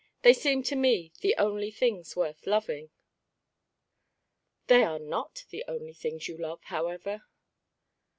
They seem to me the only things worth loving." "They are not the only things you love, however."